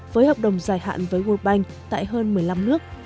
với hợp đồng dài hạn với world bank tại hơn một mươi năm nước